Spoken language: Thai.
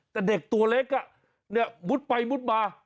แต่เด็กตัวเล็กมุดไปมุดมา